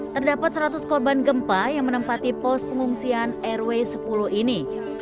terdapat seratus korban gempa yang menempati pos pengungsian rw sepuluh ini